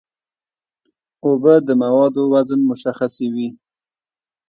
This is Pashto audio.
اوبه د موادو وزن مشخصوي.